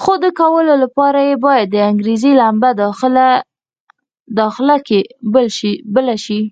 خو د کولو لپاره یې باید د انګېزې لمبه داخله کې بله شي.